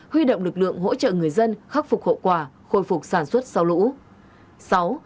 huy động lực lượng hỗ trợ người dân khắc phục hậu quả khôi phục sản xuất sau lũ